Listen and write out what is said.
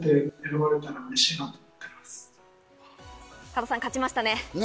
加藤さん、勝ちましたね。